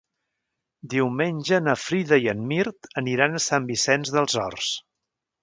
Diumenge na Frida i en Mirt aniran a Sant Vicenç dels Horts.